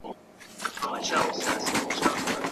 مزاری نجرابی، استاد سلام لوګری